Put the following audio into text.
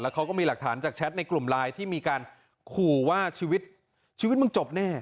เขาก็มีหลักฐานจากแชทในกลุ่มไลน์ที่มีการขู่ว่าชีวิตชีวิตมึงจบแน่